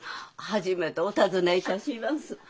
初めてお訪ねいたします。